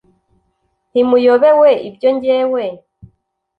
ntimuyobewe ibyo jyewe